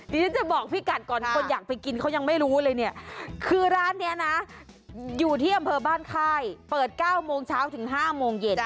เดี๋ยวฉันจะบอกพี่กัดก่อนคนอยากไปกินเขายังไม่รู้เลยเนี่ยคือร้านนี้นะอยู่ที่อำเภอบ้านค่ายเปิด๙โมงเช้าถึง๕โมงเย็น